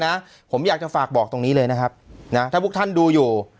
นะผมอยากจะฝากบอกตรงนี้เลยนะครับนะถ้าพวกท่านดูอยู่